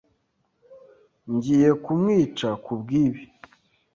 Ngiye kumwica kubwibi!